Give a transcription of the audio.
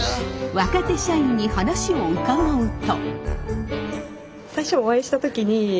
若手社員に話を伺うと。